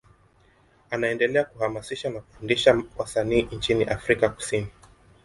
Anaendelea kuhamasisha na kufundisha wasanii nchini Afrika Kusini.